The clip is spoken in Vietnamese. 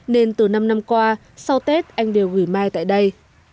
nên từ năm năm qua sau tết anh đều gửi mai tại đây